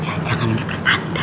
jangan jangan ini pertanda